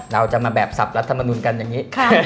เราจะมาแบบสับรัฐมนุนกันอย่างนี้